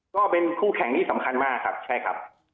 ก็เป็นคู่แข่งที่สำคัญมาก